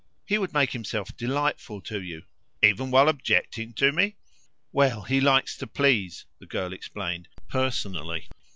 "He would make himself delightful to you." "Even while objecting to me?" "Well, he likes to please," the girl explained "personally.